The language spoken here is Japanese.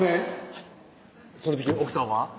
はいその時奥さんは？